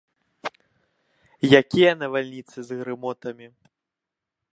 Якія навальніцы з грымотамі!